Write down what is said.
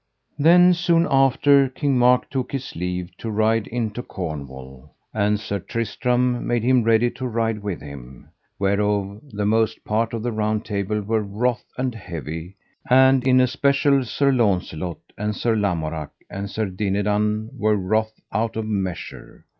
Then soon after King Mark took his leave to ride into Cornwall, and Sir Tristram made him ready to ride with him, whereof the most part of the Round Table were wroth and heavy, and in especial Sir Launcelot, and Sir Lamorak, and Sir Dinadan, were wroth out of measure.